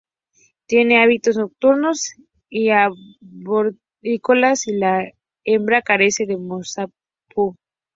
Tiene hábitos nocturnos y arborícolas y la hembra carece de marsupio.